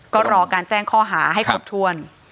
ก็รอการแจ้งข้อหาให้ครบถ้วน